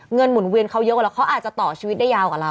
หมุนเวียนเขาเยอะกว่าแล้วเขาอาจจะต่อชีวิตได้ยาวกว่าเรา